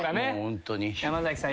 山崎さん